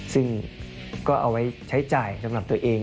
ซึ่งก็เอาไว้ใช้จ่ายสำหรับตัวเอง